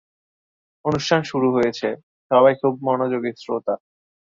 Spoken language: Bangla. অনুষ্ঠান শুরু হয়েছে, সবাই খুব মনোযোগী শ্রোতা।